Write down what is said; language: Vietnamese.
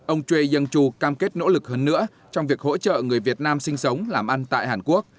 ông choi young choo cam kết nỗ lực hơn nữa trong việc hỗ trợ người việt nam sinh sống làm ăn tại hàn quốc